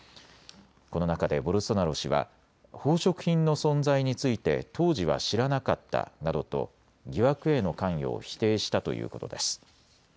この中でボルソナロ氏は宝飾品の存在について当時は知らなかったなどと疑惑への関与を否定したということです。